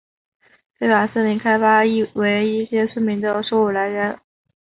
非法森林开发亦为一些村民的收入来源。